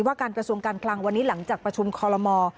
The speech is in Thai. ว่าการกระทรวงการคลังวันนี้หลังจากประชุมคอลโลมอร์